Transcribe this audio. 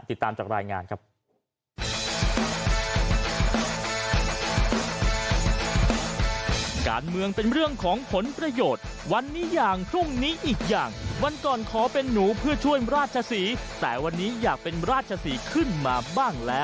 ติดตามจากรายงานครับ